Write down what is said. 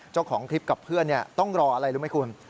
เจ้าของคลิปกับเพื่อนต้องรออะไรรู้ไหมคุณ